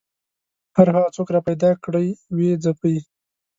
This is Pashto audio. هر هغه څوک راپیدا کړي ویې ځپي